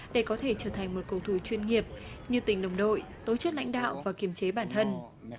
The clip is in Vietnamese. để có thể trở thành một cầu thủ chuyên nghiệp như tỉnh đồng đội tối chất lãnh đạo và kiềm chế bản thân